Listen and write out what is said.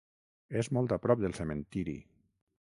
És molt a prop del cementiri.